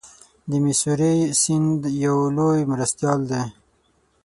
د میسوری سیند یو لوی مرستیال دی.